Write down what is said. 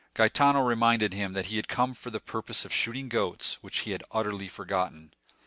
Gaetano reminded him that he had come for the purpose of shooting goats, which he had utterly forgotten.